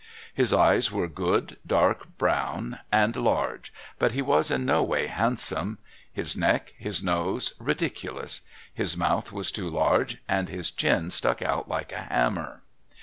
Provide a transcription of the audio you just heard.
His eyes were good, dark brown and large, but he was in no way handsome; his neck, his nose ridiculous. His mouth was too large, and his chin stuck out like a hammer.